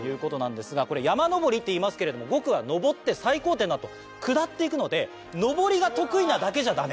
山上りっていいますけれども５区は上って最高点の後下って行くので上りが得意なだけじゃダメ。